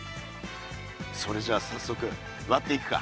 それじゃさっそく割っていくか。